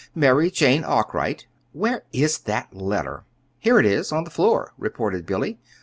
"'Mary Jane Arkwright.' Where is that letter?" "Here it is, on the floor," reported Billy.